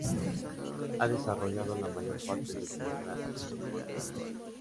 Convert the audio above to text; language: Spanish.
Ha desarrollado la mayor parte de su obra en lengua catalana.